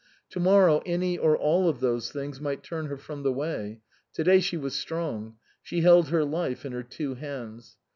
To morrow any or all of those things might turn her from the way ; to day she was strong ; she held her life in her two hands.